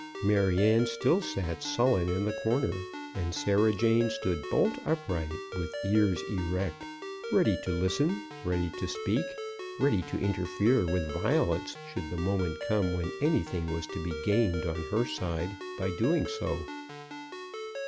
Maryanne still sat sullen in the corner, and Sarah Jane stood bolt upright, with ears erect, ready to listen, ready to speak, ready to interfere with violence should the moment come when anything was to be gained on her side by doing so.